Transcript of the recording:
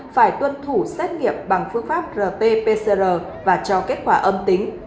phải tuân thủ xét nghiệm bằng phương pháp rt pcr và cho kết quả âm tính